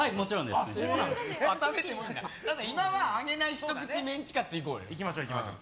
でも、今は揚げないひと口メンチカツいこうよ。